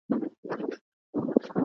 طالبان د اسلامي اصولو پر بنسټ حکومت کوي.